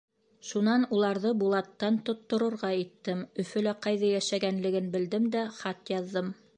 Шунан уларҙы Булаттан тотторорға иттем, Өфөлә ҡайҙа йәшәгәнлеген белдем дә хат яҙҙым.